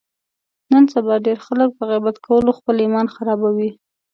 نن سبا ډېری خلک په غیبت کولو خپل ایمان خرابوي.